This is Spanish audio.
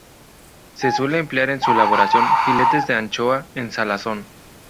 Se suele emplear en su elaboración filetes de anchoa en salazón.